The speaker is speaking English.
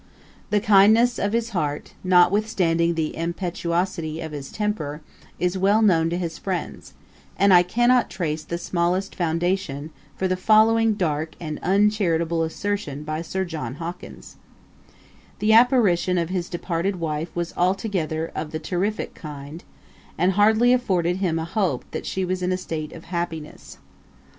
The kindness of his heart, notwithstanding the impetuosity of his temper, is well known to his friends; and I cannot trace the smallest foundation for the following dark and uncharitable assertion by Sir John Hawkins: 'The apparition of his departed wife was altogether of the terrifick kind, and hardly afforded him a hope that she was in a state of happiness.'